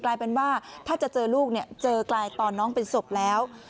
กลายเป็นว่าถ้าจะเจอลูกเนี่ยเจอกลายตอนน้องเป็นศพแล้ว